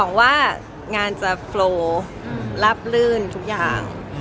ใช่ก็ทำไปเรื่อยก่อนค่ะ